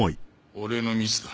俺のミスだ。